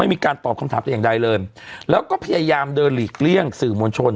มีการตอบคำถามแต่อย่างใดเลยแล้วก็พยายามเดินหลีกเลี่ยงสื่อมวลชน